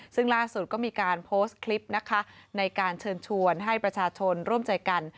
ซึ่งล่าสุดก็มีการโพสต์คลิปนะคะในการเชิญชวนให้ประชาชนร่วมใจกัน